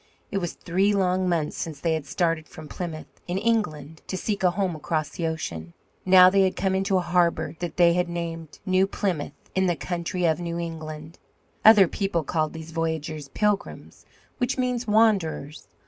It was three long months since they had started from Plymouth, in England, to seek a home across the ocean. Now they had come into a harbour that they named New Plymouth, in the country of New England. Other people called these voyagers Pilgrims, which means wanderers.